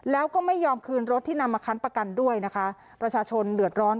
แล้วก็ไม่ยอมคืนรถที่นำมาคั้นประกันด้วยนะคะประชาชนเดือดร้อน